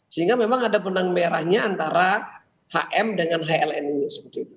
sehingga memang ada benang merahnya antara hm dengan hln ini seperti itu